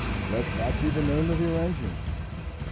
(Let that be the name of your engine.)